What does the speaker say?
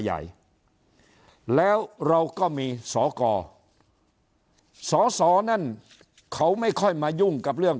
ใหญ่แล้วเราก็มีสอกรสอสอนั่นเขาไม่ค่อยมายุ่งกับเรื่อง